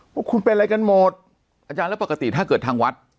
ว่าคุณเป็นอะไรกันหมดอาจารย์แล้วปกติถ้าเกิดทางวัด